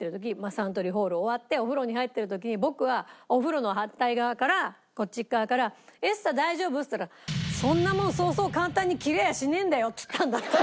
サントリーホール終わってお風呂に入ってる時に僕はお風呂の反対側からこっち側から「ＥＳＴＡ大丈夫？」って言ったら「そんなもんそうそう簡単に切れやしねえんだよ！」って言ったんだって。